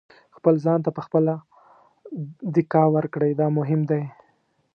خپل ځان ته په خپله دېکه ورکړئ دا مهم دی.